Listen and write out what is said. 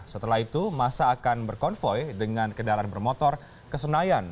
setelah itu masa akan berkonvoy dengan kendaraan bermotor ke senayan